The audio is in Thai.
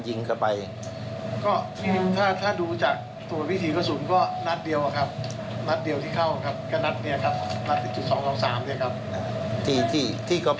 ก็นัดเนี่ยครับนัดที่๒๒๓เนี่ยครับ